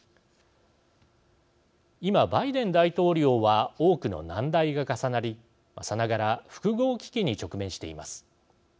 今バイデン大統領は多くの難題が重なりさながら複合危機に直面しています。